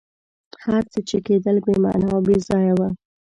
هر څه چي کېدل بي معنی او بېځایه وه.